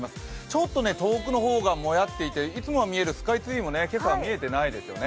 ちょっと遠くの方がもやっていていつもは見えるスカイツリーも今朝は見えていないですよね。